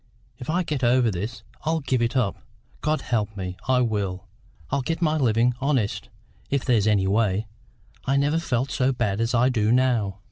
If I get over this, I'll give it up God help me, I will! I'll get my living honest, if there's any way. I never felt so bad as I do now."